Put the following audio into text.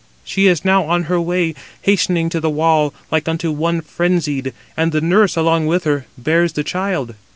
She is now on her way, hastening to the wall, like unto one frenzied, and the nurse, along with her, bears the child."